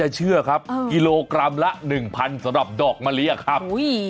เชื่อครับกิโลกรัมละ๑๐๐๐สำหรับดอกมะลิครับ